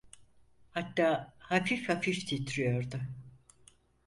Hatta hafif hafif titriyordu.